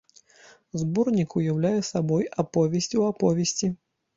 Зборнік уяўляе сабой аповесць у аповесці.